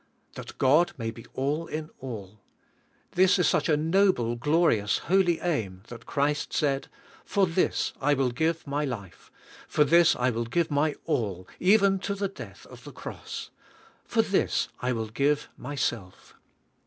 "That God may be all in all." This is such a noble, glorious, holy aim that Christ said, "For this I will give my life. For this I will give m}^ all, even to the death of the cross. For this I will give myself."